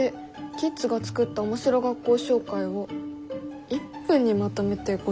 キッズが作った面白学校紹介を１分にまとめてご紹介」？